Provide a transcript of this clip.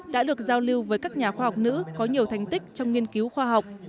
đã được giao lưu với các nhà khoa học nữ có nhiều thành tích trong nghiên cứu khoa học